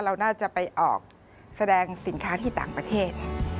เราน่าจะไปออกแสดงสินค้าที่ต่างประเทศ